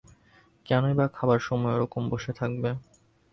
কেনই বা খাবার সময় ওরকম বসে থাকবে?